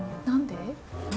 何で？